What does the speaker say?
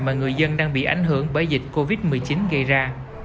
mà người dân đang bị ảnh hưởng bởi dịch covid một mươi chín gây ra